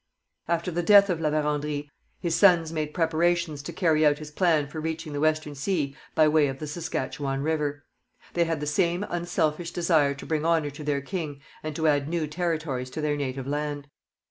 ] After the death of La Vérendrye, his sons made preparations to carry out his plan for reaching the Western Sea by way of the Saskatchewan river. They had the same unselfish desire to bring honour to their king and to add new territories to their native land.